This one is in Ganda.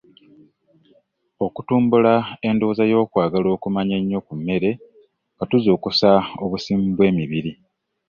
Okutumbula endowooza y’okwagala okumanya ennyo ku mmere nga tuzuukusa obusimu bw’emibiri.